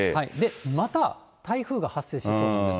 また台風が発生しそうなんです。